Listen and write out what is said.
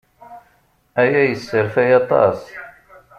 Aya yesserfay aṭas.